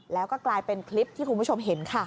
แล้วก็กลายเป็นคลิปที่คุณผู้ชมเห็นค่ะ